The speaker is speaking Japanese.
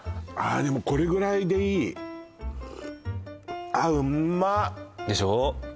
でもこれぐらいでいいあうまっでしょ